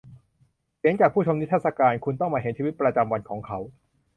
เสียงจากผู้ชมนิทรรศการ : คุณต้องมาเห็นชีวิตประจำวันของเขา